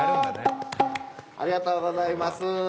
ありがとうございます。